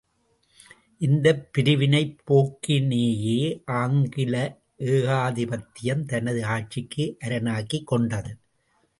இந்தப் பிரிவினைப் போக்கினையே ஆங்கில ஏகாதிபத்தியம் தனது ஆட்சிக்கு அரணாக்கிக் கொண்டது.